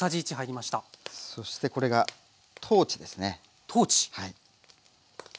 そしてこれがトーチですね。